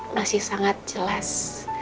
masih sangat jelas